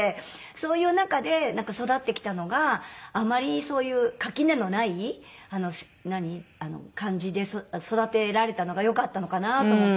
そういう中で育ってきたのがあまりそういう垣根のない感じで育てられたのがよかったのかなと思って。